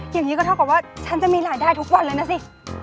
อย่างนี้ก็เท่ากับว่าฉันจะมีรายได้ทุกวันเลยนะสิ